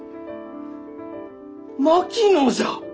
槙野じゃ！